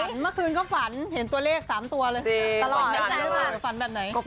ฝันเมื่อคืนก็ฝันเห็นตัวเลขสามตัวเลย